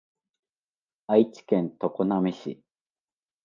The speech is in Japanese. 愛知県常滑市